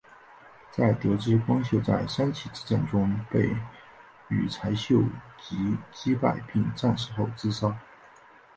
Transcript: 在得知光秀在山崎之战中被羽柴秀吉击败并战死后自杀。